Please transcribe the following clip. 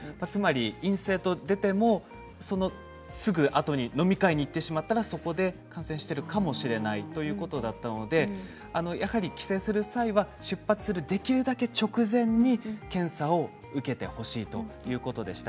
陰性と出ても、そのすぐあとに飲み会に行ってしまったらそこで感染しているかもしれないということだったのでやはり帰省する際は出発するできるだけ直前に検査を受けてほしいということでした。